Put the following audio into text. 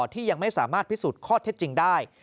ที่ยังไม่สามารถพิสูจน์ข้อเท็จจริงได้